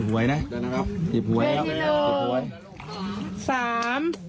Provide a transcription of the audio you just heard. สาม